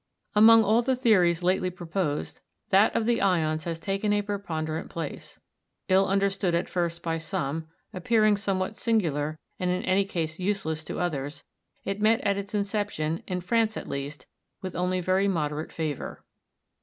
Among all the theories lately proposed, that of the ions has taken a preponderant place; ill understood at first by some, appearing somewhat singular, and in any case useless, to others, it met at its inception, in France at least, with only very moderate favour.